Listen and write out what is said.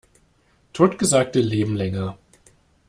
Totgesagte leben länger.